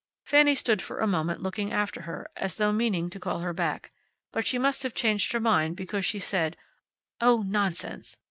Fanny stood for a moment looking after her, as though meaning to call her back. But she must have changed her mind, because she said, "Oh, nonsense!"